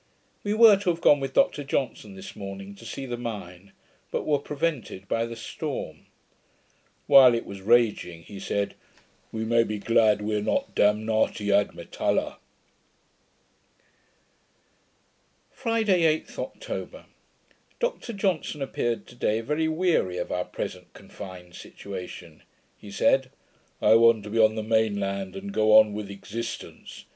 We were to have gone with Dr Johnson this morning to see the mine; but were prevented by the storm. While it was raging, he said, 'We may be glad we are not damnati ad metalla.' Friday, 8th October Dr Johnson appeared to day very weary of our present confined situation. He said, 'I want to be on the main land, and go on with existence.